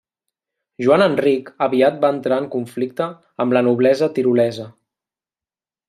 Joan Enric aviat va entrar en conflicte amb la noblesa tirolesa.